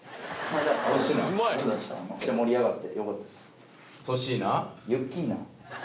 めっちゃ盛り上がってよかったです。